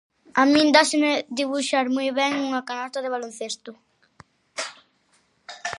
A min dáseme dibuxar moi ben unha canasta de baloncesto.